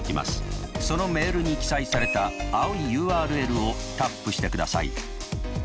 そのメールに記載された青いＵＲＬをタップしてください。